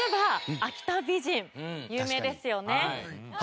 有名ですよね。